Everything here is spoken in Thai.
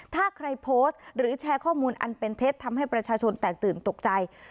ถ้าใครโพสต์หรือแชร์ข้อมูลอันเป็นเท็จทำให้ประชาชนแตกตื่นตกใจ